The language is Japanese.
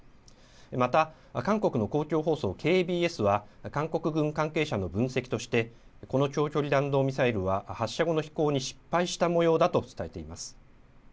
また韓国の公共放送、ＫＢＳは韓国軍関係者の分析としてこの長距離弾道ミサイルは発射後の飛行に失敗したもようだと伝えています。